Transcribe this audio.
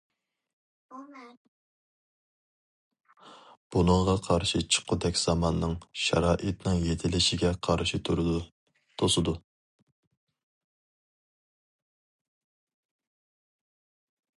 بۇنىڭغا قارشى چىققۇدەك زاماننىڭ، شارائىتنىڭ يېتىلىشىگە قارشى تۇرىدۇ، توسىدۇ.